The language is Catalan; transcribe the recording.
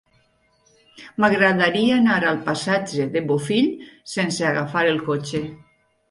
M'agradaria anar al passatge de Bofill sense agafar el cotxe.